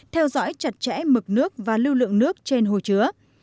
theo dõi chặt chẽ mực nước và lưu lượng nước trên hồ chứa